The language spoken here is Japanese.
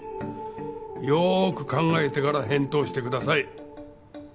よーく考えてから返答してください。